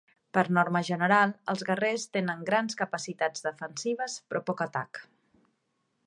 Per norma general, els guerrers tenen grans capacitats defensives però poc atac.